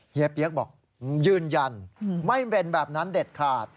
เฮียกบอกยืนยันไม่เป็นแบบนั้นเด็ดขาด